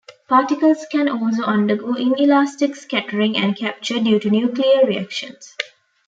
Particles can also undergo inelastic scattering and capture due to nuclear reactions.